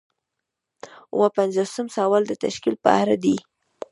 اووه پنځوسم سوال د تشکیل په اړه دی.